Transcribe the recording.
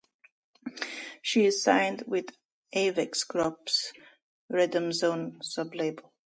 She is signed with Avex Group's Rhythm Zone sublabel.